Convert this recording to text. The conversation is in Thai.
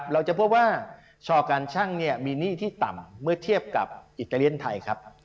เราจะพบว่าชอการชั่งมีหนี้ที่ต่ำเมื่อเทียบกับอิตาเลียนไทยครับ